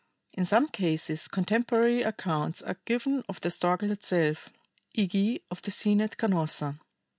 In some cases contemporary accounts are given of the struggle itself, e. g., of the scene at Canossa.